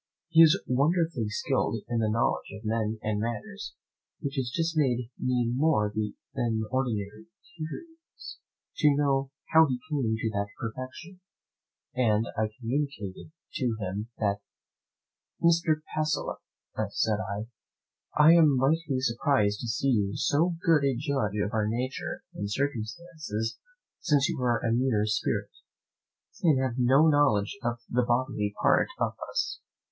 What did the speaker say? He is wonderfully skilful in the knowledge of men and manners, which has made me more than ordinarily curious to know how he came to that perfection, and I communicated to him that doubt. "Mr. Pacolet," said I, "I am mightily surprised to see you so good a judge of our nature and circumstances, since you are a mere spirit, and have no knowledge of the bodily part of us."